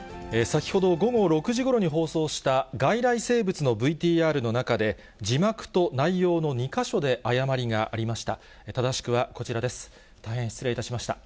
先ほど午後６時ごろに放送した外来生物のＶＴＲの中で、字幕と内容の２か所で誤りがありました。